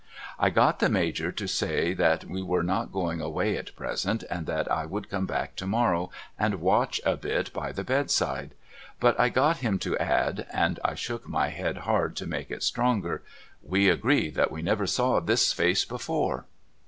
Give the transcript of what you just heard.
I got the INIajor to say that we were not going away at present and that I would come back to morrow and watch a bit by the bedside. But I got him to add — and I shook my head hard to make it stronger —' We agree that we never saw this face before.'